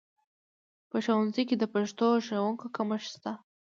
په ښوونځیو کې د پښتو ښوونکو کمښت شته